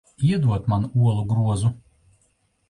Iedod man olu grozu.